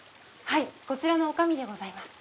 はいこちらの女将でございます。